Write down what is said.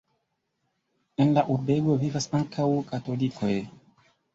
En la urbego vivas ankaŭ katolikoj.